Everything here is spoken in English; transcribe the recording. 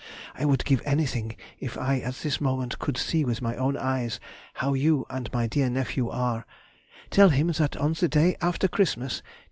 I would give anything if I at this moment could see with my own eyes how you and my dear nephew are; tell him that on the day after Christmas (Dec.